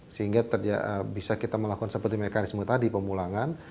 sehingga bisa kita melakukan seperti mekanisme tadi pemulangan